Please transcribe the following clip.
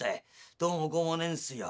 「どうもこうもねえんすよ。